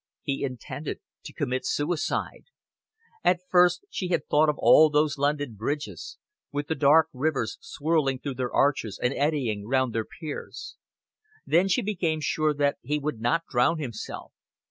He intended to commit suicide. At first she had thought of all those London bridges, with the dark rivers swirling through their arches and eddying round their piers; then she became sure that he would not drown himself.